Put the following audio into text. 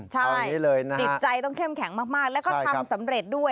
ใช่จิตใจต้องเข้มแข็งมากแล้วก็ทำสำเร็จด้วย